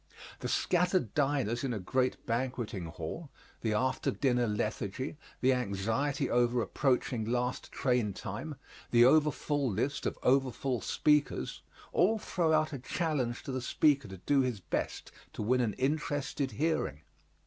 The scattered diners in a great banqueting hall, the after dinner lethargy, the anxiety over approaching last train time, the over full list of over full speakers all throw out a challenge to the speaker to do his best to win an interested hearing.